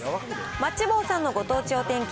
まっち棒さんのご当地お天気